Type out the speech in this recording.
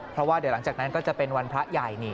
เพราะว่าเดี๋ยวหลังจากนั้นก็จะเป็นวันพระใหญ่นี่